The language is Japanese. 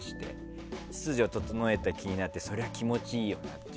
秩序を整えた気になってそりゃ気持ちいいよなって。